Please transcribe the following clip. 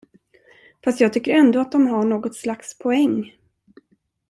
Fast jag tycker ändå att de har något slags poäng?